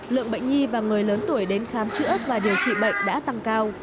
lượng bệnh nhi và người lớn tuổi đến khám chữa và điều trị bệnh đã tăng cao